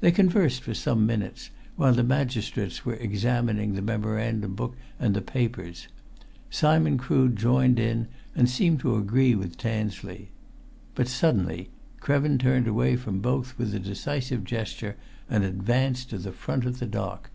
They conversed for some minutes, while the magistrates were examining the memorandum book and the papers. Simon Crood joined in, and seemed to agree with Tansley. But suddenly Krevin turned away from both with a decisive gesture, and advanced to the front of the dock.